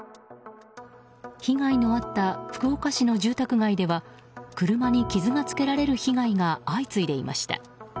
被害のあった福岡市の住宅街では車に傷がつけられる被害が相次いでいました。